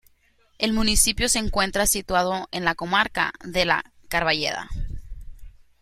El municipio se encuentra situado en la comarca de La Carballeda.